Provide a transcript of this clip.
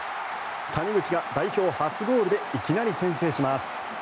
谷口が代表初ゴールでいきなり先制します。